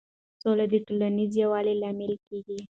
سوله د ټولنیز یووالي لامل کېږي.